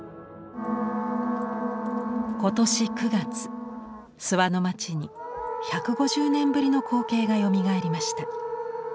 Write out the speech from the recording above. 今年９月諏訪の町に１５０年ぶりの光景がよみがえりました。